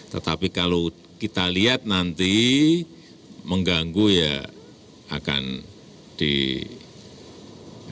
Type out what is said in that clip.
tetapi kalau kita lihat nanti mengganggu ya akan di